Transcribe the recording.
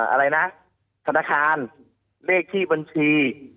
อะไรนะธนาคารเลขที่บัญชี